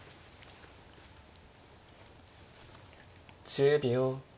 １０秒。